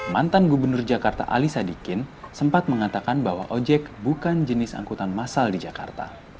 mantan gubernur jakarta ali sadikin sempat mengatakan bahwa ojek bukan jenis angkutan masal di jakarta